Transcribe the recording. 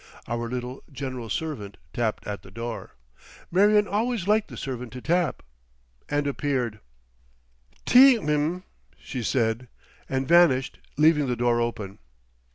Our little general servant tapped at the door—Marion always liked the servant to tap—and appeared. "Tea, M'm," she said—and vanished, leaving the door open.